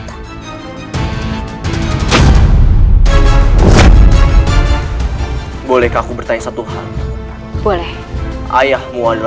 dan semuanya akan lebih mudah bagiku